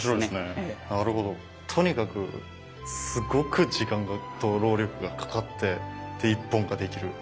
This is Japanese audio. とにかくすごく時間と労力がかかって一本ができる。